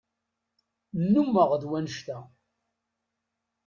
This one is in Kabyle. Nnumeɣ d wannect-a.